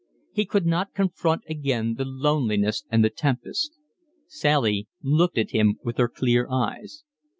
He could not confront again the loneliness and the tempest. Sally looked at him with her clear eyes.